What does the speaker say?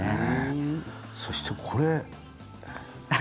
そして、これ。